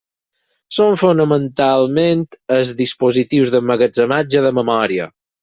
Són fonamentalment els dispositius d'emmagatzematge de memòria.